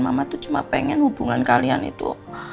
mama tuh cuma pengen hubungan kalian itu